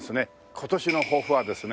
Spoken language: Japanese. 今年の抱負はですね